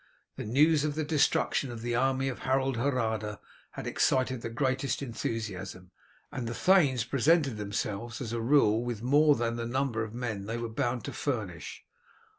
The news of the destruction of the army of Harold Hardrada had excited the greatest enthusiasm, and the thanes presented themselves as a rule with more than the number of men they were bound to furnish.